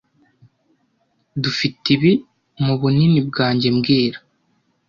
Dufiteibi mubunini bwanjye mbwira